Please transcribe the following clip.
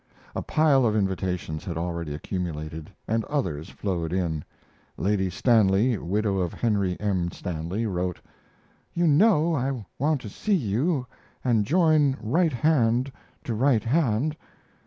A pile of invitations had already accumulated, and others flowed in. Lady Stanley, widow of Henry M. Stanley, wrote: You know I want to see you and join right hand to right hand.